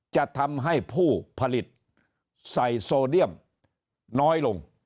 จะทำให้ผู้ผลิตใส่โซเดียมน้อยลง